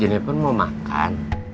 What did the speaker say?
jendepun mau makan